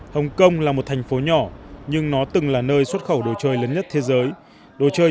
hồng kông là một thành phố nhỏ nhưng nó từng là nơi xuất khẩu đồ chơi lớn nhất thế giới đồ chơi